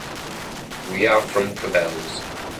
We are from Cubelles.